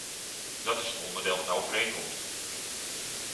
Dat is een onderdeel van de overeenkomst.